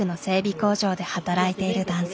工場で働いている男性。